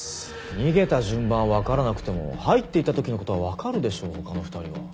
逃げた順番はわからなくても入っていった時の事はわかるでしょ他の２人は。